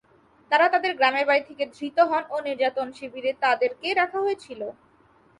তারা তাদের গ্রামের বাড়ী থেকে ধৃত হন ও নির্যাতন শিবিরে তাদেরকে রাখা হয়েছিল।